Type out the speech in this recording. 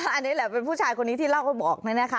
อันนี้แหละเป็นผู้ชายคนนี้ที่เล่าเขาบอกนี่นะคะ